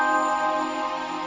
sini kita balik lagi